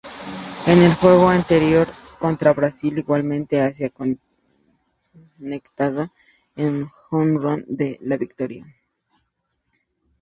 En el juego anterior contra Brasil, igualmente había conectado el jonrón de la victoria.